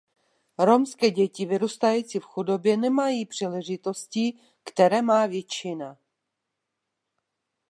Romské děti vyrůstající v chudobě nemají příležitosti, které má většina.